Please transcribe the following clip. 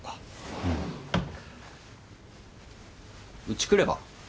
うち来れば？